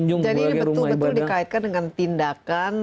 jadi ini betul betul dikaitkan dengan tindakan